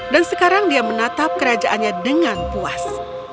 dan sekarang dia menatap kerajaannya dengan puas